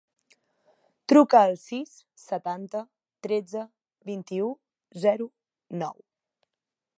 Truca al sis, setanta, tretze, vint-i-u, zero, nou.